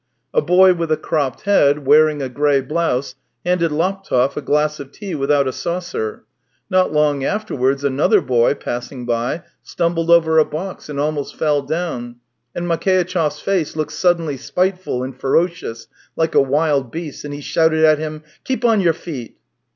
A boy with a cropped head, wearing a grey blouse, handed Laptev a glass of tea without a saucer; not long afterwards another boy, passing by. stumbled over a box. and almost fell down, and Makeitchev 's face looked suddenly spiteful and ferocious like a wild beast's, and he shouted at him: " Keep on your feet